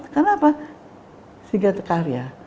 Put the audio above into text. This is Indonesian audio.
karena apa sebagai karya